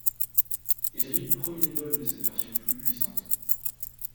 Il s'agit du premier vol de cette version plus puissante.